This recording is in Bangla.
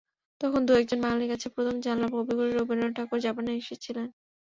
তখন দু-একজন বাঙালির কাছে প্রথম জানলাম, কবিগুরু রবীন্দ্রনাথ ঠাকুর জাপানে এসেছিলেন।